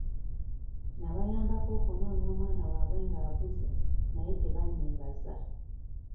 Nabayambako okunoonya omwana waabwe ng'abuze naye tebanneebaza.